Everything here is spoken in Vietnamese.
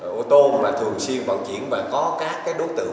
ô tô thường xuyên vận chuyển và có các đối tượng